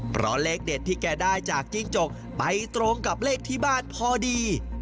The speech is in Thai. เพราะเลขเด็ดที่แกได้จากจิ้งจกไปตรงกับเลขที่บ้านพอดี